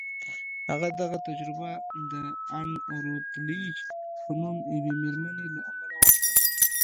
هغه دغه تجربه د ان روتليج په نوم يوې مېرمنې له امله وکړه.